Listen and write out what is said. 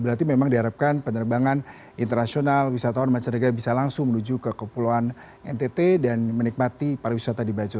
berarti memang diharapkan penerbangan internasional wisatawan mancanegara bisa langsung menuju ke kepulauan ntt dan menikmati pariwisata di bajo